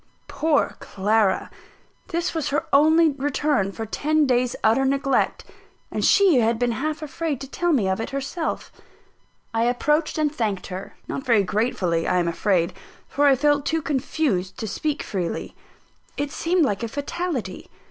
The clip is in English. Poor Clara! This was her only return for ten days' utter neglect and she had been half afraid to tell me of it herself. I approached and thanked her; not very gratefully, I am afraid, for I felt too confused to speak freely. It seemed like a fatality.